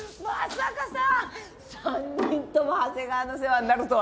さかさ３人とも長谷川の世話になるとはな。